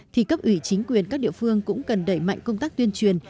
thì cấp ủy chính quyền các địa phương cũng cần đẩy mạnh công tác tuyên truyền